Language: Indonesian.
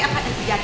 apa ada si jatoh